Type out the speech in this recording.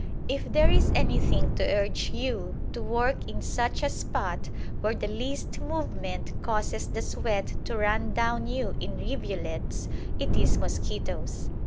If there is anything to urge you to work in such a spot where the least movement causes the sweat to run down you in rivulets, it is mosquitoes.